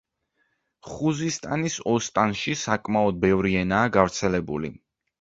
ხუზისტანის ოსტანში საკმაოდ ბევრი ენაა გავრცელებული.